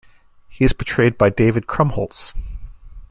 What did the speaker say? He is portrayed by David Krumholtz.